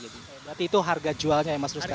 berarti itu harga jualnya ya mas tuska ya